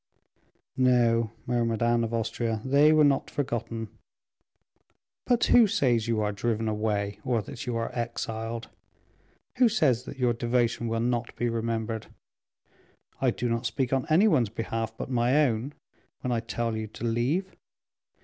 "No," murmured Anne of Austria, "they were not forgotten. But who says you are driven away, or that you are exiled? Who says that your devotion will not be remembered? I do not speak on any one's behalf but my own, when I tell you to leave.